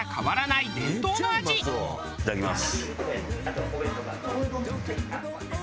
いただきます。